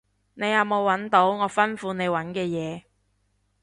你有冇搵到我吩咐你搵嘅嘢？